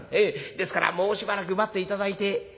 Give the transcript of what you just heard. ですからもうしばらく待って頂いて」。